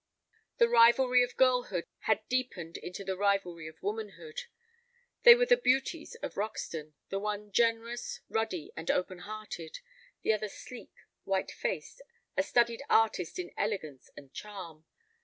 The rivalry of girlhood had deepened into the rivalry of womanhood. They were the "beauties" of Roxton; the one generous, ruddy, and open hearted; the other sleek, white faced, a studied artist in elegance and charm.